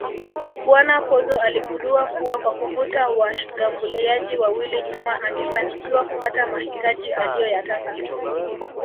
Bwana Pozzo aligundua kuwa kwa kuvuta washgambuliaji wawili nyuma angefanikiwa kupata mahitaji aliyoyataka